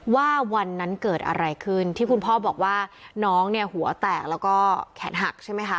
ว่าวันนั้นเกิดอะไรขึ้นที่คุณพ่อบอกว่าน้องเนี่ยหัวแตกแล้วก็แขนหักใช่ไหมคะ